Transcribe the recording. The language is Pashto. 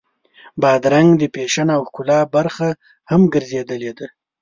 بادرنګ د فیشن او ښکلا برخه هم ګرځېدلې ده.